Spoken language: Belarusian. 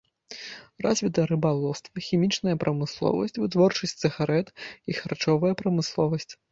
Развіта рыбалоўства, хімічная прамысловасць, вытворчасць цыгарэт і харчовая прамысловасць.